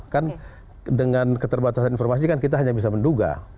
kan dengan keterbatasan informasi kan kita hanya bisa menduga